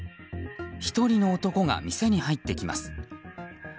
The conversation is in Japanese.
１人の男が店に入ってきます。